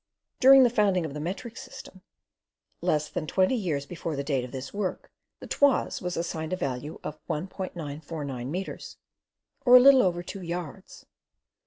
During the founding of the Metric System, less than 20 years before the date of this work, the 'toise' was assigned a value of 1.949 meters, or a little over two yards.